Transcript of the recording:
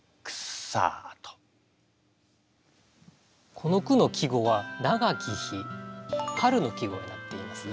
この句の季語は「永き日」春の季語になっています。